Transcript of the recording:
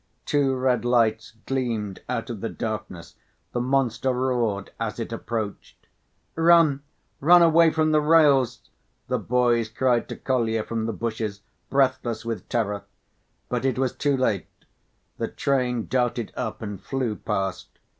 Two red lights gleamed out of the darkness; the monster roared as it approached. "Run, run away from the rails," the boys cried to Kolya from the bushes, breathless with terror. But it was too late: the train darted up and flew past.